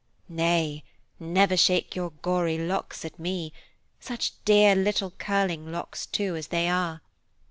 "Nay, never shake your gory locks at me, such dear little curling locks, too, as they are.